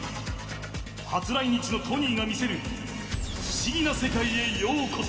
初来日のトニーが見せる不思議な世界へようこそ。